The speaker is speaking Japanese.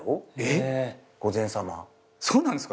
そうなんですか。